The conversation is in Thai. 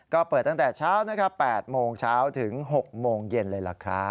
ก็เปิดตั้งแต่เช้า๘โมงเช้าถึง๖โมงเย็นเลย